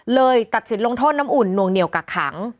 ตัดสินลงโทษน้ำอุ่นนวงเหนียวกักขัง